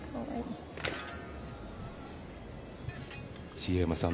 茂山さん